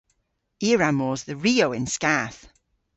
I a wra mos dhe Rio yn skath.